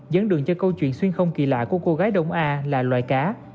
dẫn đường cho câu chuyện xuyên không kỳ lạ của cô gái đông a là loài cá